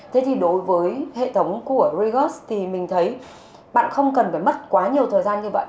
thế thì đối với hệ thống của regus thì mình thấy bạn không cần phải mất quá nhiều thời gian như vậy